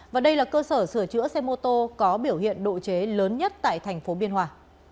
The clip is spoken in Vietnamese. và đây là cơ sở sửa chữa xe mô tô có biểu hiện độ chế lớn nhất tại thành phố biên hòa